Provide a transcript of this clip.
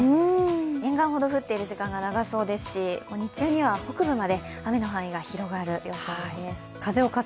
沿岸ほど降っている時間が長そうですし、日中には北部まで雨の範囲が広がる予想です。